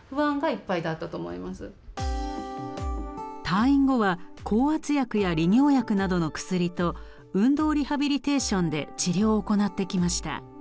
退院後は降圧薬や利尿薬などの薬と運動リハビリテーションで治療を行ってきました。